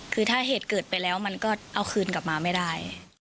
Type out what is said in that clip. คือถ้าเหตุเกิดไปแล้วมันก็เอาคืนกลับมาไม่ได้